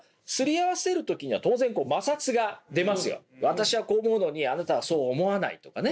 私はこう思うのにあなたはそう思わないとかね。